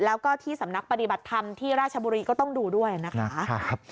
แล้วก็ที่สำนักปฏิบัติธรรมที่ราชบุรีก็ต้องดูด้วยนะคะ